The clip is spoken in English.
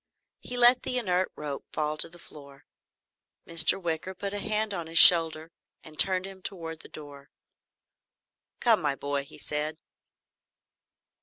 He let the inert rope fall to the floor. Mr. Wicker put a hand on his shoulder and turned him toward the door. "Come, my boy," he said.